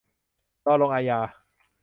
รอลงอาญา